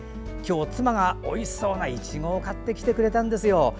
今日、妻がおいしそうないちごを買ってきてくれたんですよ。